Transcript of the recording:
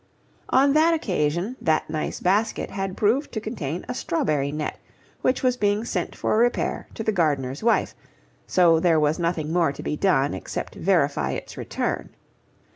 On that occasion that nice basket had proved to contain a strawberry net which was being sent for repair to the gardener's wife; so there was nothing more to be done except verify its return.